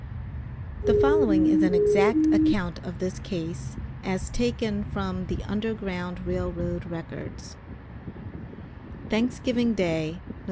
The following is an exact account of this case, as taken from the Underground Rail Road records: "THANKSGIVING DAY, Nov.